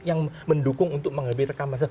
yang mendukung untuk mengambil rekaman